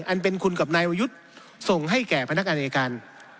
อันเป็นคุณกับนายวรยุทธ์ส่งให้แก่พนักงานอายการ